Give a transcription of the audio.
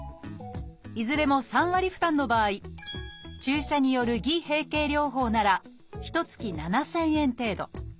いずれも３割負担の場合注射による偽閉経療法ならひとつき７，０００円程度。